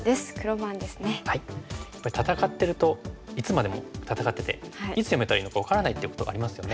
やっぱり戦ってるといつまでも戦ってていつやめたらいいのか分からないってことありますよね。